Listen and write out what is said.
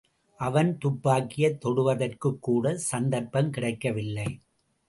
அவன் துப்பாக்கியைத் தொடுவதற்குக் கூடச் சந்தர்ப்பம் கிடைக்கவில்லை.